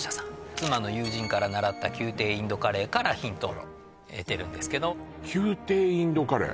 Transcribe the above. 妻の友人から習った宮廷インドカレーからヒントを得てるんですけど宮廷インドカレー？